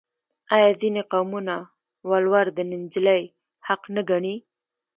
آیا ځینې قومونه ولور د نجلۍ حق نه ګڼي؟